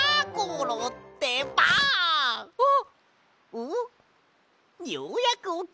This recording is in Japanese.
おっようやくおきた！